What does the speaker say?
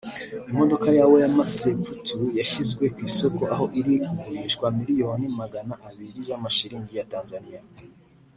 Imodoka ya Wema Sepetu yashyizwe ku isoko aho iri kugurishwa miliyoni magana abiri z’amashiringi ya Tanzania